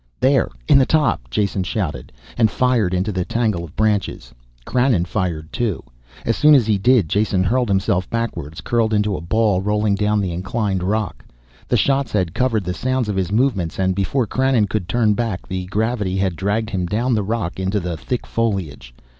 "There in the top!" Jason shouted, and fired into the tangle of branches. Krannon fired, too. As soon as he did, Jason hurled himself backwards, curled into a ball, rolling down the inclined rock. The shots had covered the sounds of his movements, and before Krannon could turn back the gravity had dragged him down the rock into the thick foliage.